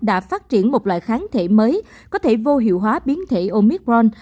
đã phát triển một loại kháng thể mới có thể vô hiệu hóa biến thể omicron